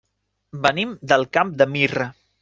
Venim del Camp de Mirra.